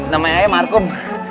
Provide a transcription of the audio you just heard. namanya ayah markum